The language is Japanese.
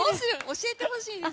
教えてほしいです。